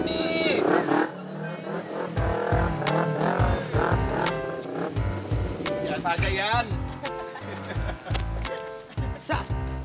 biasa aja yan